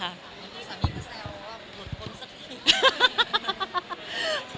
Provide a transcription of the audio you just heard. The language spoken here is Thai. สามีก็แสดงว่าหลุดพ้นสักที